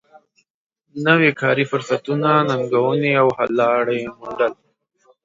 نوی کاري فرصتونه ننګونې او حل لارې موندل